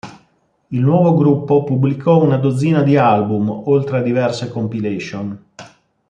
Il nuovo gruppo pubblicò una dozzina di album oltre a diverse compilation.